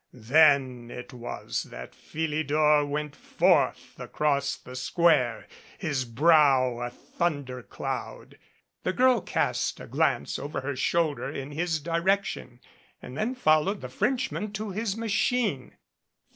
Then it was that Philidor went forth across the square, his brow a thundercloud. The girl cast a glance over her shoulder in his direction and then followed the French man to his machine.